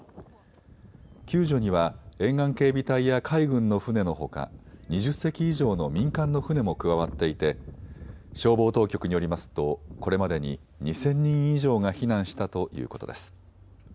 救助には沿岸警備隊や海軍の船のほか２０隻以上の民間の船も加わっていて消防当局によりますとこれまでに２０００人以上が避難したということです。